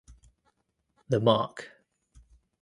The Mk.